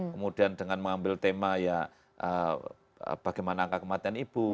kemudian dengan mengambil tema ya bagaimana angka kematian ibu